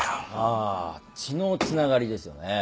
あ血のつながりですよね。